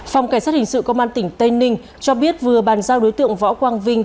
phòng cảnh sát hình sự công an tỉnh tây ninh cho biết vừa bàn giao đối tượng võ quang vinh